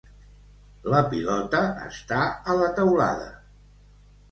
La pilota està a la teulada.